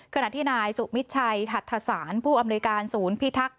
ขณะที่นายสูบมิดชัยหัฐศาสตร์ผู้อำเมริการศูนย์พิทักษ์